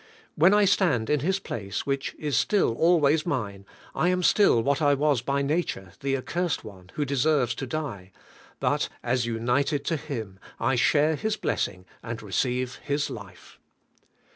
When I stand in His place, which is still always mine, I am still what I was by nature, the accursed one, who deserves to die; but as united to Him, I share His blessing, and receive His life.